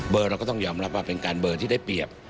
เราก็ต้องยอมรับว่าเป็นการเบอร์ที่ได้เปรียบ